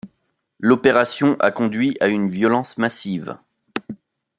L'opération a conduit à une violence massive.